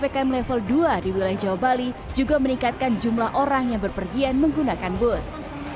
ppkm level dua di wilayah jawa bali juga meningkatkan jumlah orang yang berpergian menggunakan bus